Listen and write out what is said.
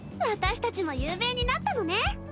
私たちも有名になったのね。